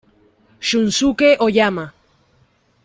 Shunsuke Oyama